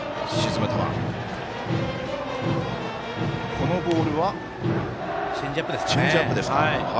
このボールはチェンジアップ。